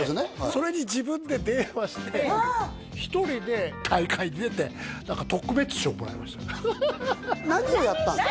それに自分で電話して１人で大会に出て何か何をやったんですか？